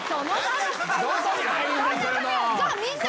じゃあみんな。